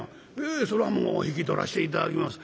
「ええそれはもう引き取らして頂きます」。